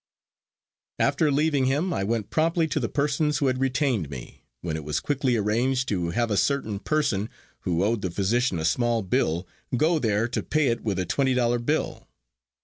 After leaving him I went promptly to the persons who had retained me, when it was quickly arranged to have a certain person who owed the physician a small bill go there to pay it with a twenty dollar bill.